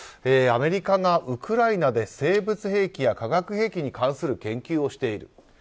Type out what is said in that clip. アメリカがウクライナで生物兵器や化学兵器に関する研究をしている。